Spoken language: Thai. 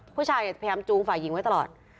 ผู้ชายพยายามจูงฝ่ายหญิงไว้ตลอด